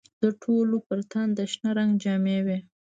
د ټولو پر تن د شنه رنګ جامې وې.